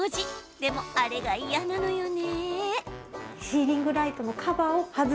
でも、あれが嫌なのよね。